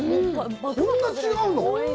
こんな違うの！？